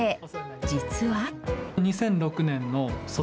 実は。